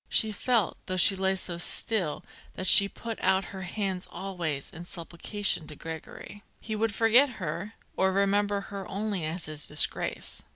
She felt, though she lay so still, that she put out her hands always, in supplication, to Gregory. He would forget her, or remember her only as his disgrace.